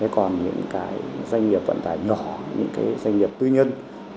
còn những doanh nghiệp vận tải nhỏ những doanh nghiệp tư nhân